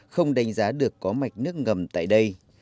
không đánh giá được có mạch nước ngầm tại đây